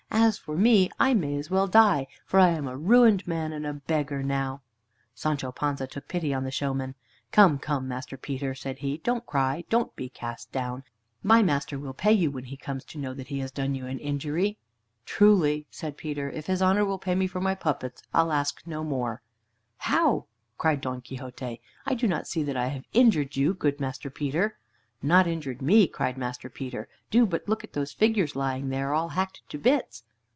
As for me, I may as well die, for I am a ruined man and a beggar now." Sancho Panza took pity on the showman. "Come, come! Master Peter," said he, "don't cry. Don't be cast down. My master will pay you when he comes to know that he has done you an injury." "Truly," said Peter, "if his honor will pay for my puppets.'ll ask no more." "How!" cried Don Quixote. "I do not see that I have injured you, good Master Peter." "Not injured me!" cried Master Peter. "Do but look at those figures lying there, all hacked to bits."